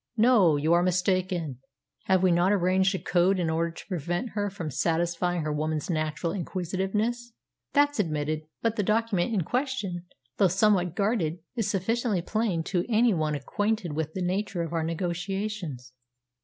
"No; you are mistaken. Have we not arranged a code in order to prevent her from satisfying her woman's natural inquisitiveness?" "That's admitted. But the document in question, though somewhat guarded, is sufficiently plain to any one acquainted with the nature of our negotiations."